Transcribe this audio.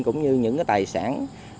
cũng như những tài sản